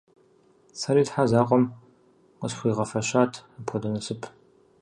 Сэри Тхьэ закъуэм къысхуигъэфэщат апхуэдэ насып.